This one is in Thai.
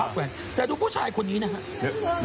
เอาผักแขวนแต่ดูผู้ชายคนนี้นะครับ